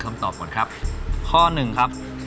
คำตอบก่อนครับข้อ๑ครับ